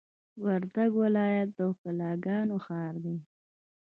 وردګ ولایت د ښکلاګانو ښار دی!